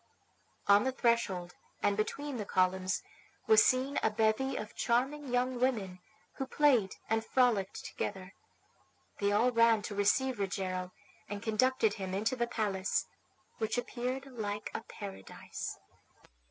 On the threshold, and between the columns, was seen a bevy of charming young women, who played and frolicked together. They all ran to receive Rogero, and conducted him into the palace, which appeared like a paradise.